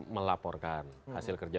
melaporkan hasil kerja